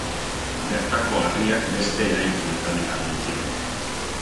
Bertako harriak beste eraikinetan erabili ziren.